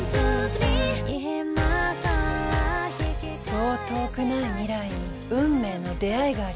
そう遠くない未来に運命の出会いがあります。